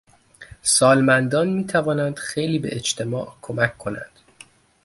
سالمندان میتوانند خیلی به اجتماع کمک کنند.